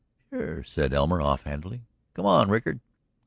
"Sure," said Elmer off handedly. "Come on, Rickard."